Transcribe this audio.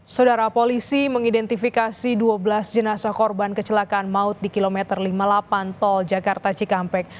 saudara polisi mengidentifikasi dua belas jenazah korban kecelakaan maut di kilometer lima puluh delapan tol jakarta cikampek